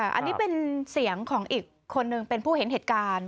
อันนี้เป็นเสียงของอีกคนนึงเป็นผู้เห็นเหตุการณ์